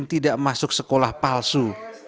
dan tidak masuk sekolah palsu